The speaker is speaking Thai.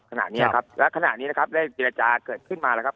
ขนาดนี้นะครับแล้วขนาดนี้นะครับได้จิรจาเกิดขึ้นมานะครับ